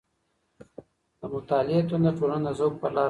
د مطالعې تنده ټولنه د ذوق پر لاره دروي.